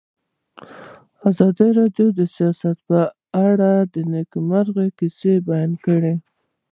ازادي راډیو د سیاست په اړه د نېکمرغۍ کیسې بیان کړې.